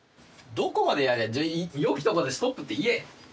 どこまでやれじゃ良きところでストップって言え！